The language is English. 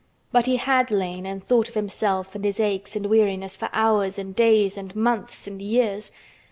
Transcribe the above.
But he had lain and thought of himself and his aches and weariness for hours and days and months and years.